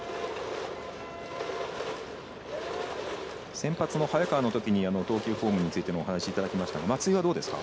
先発の早川のときに投球フォームについてもお話いただきましたが松井はどうですか？